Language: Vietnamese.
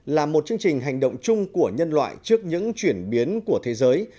là một chương trình hành động chung của nhân loại trước những chuyển biến của thế giới